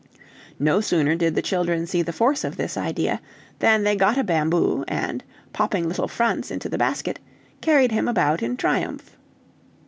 No sooner did the children see the force of this idea, than they got a bamboo, and popping little Franz into the basket, carried him about in triumph.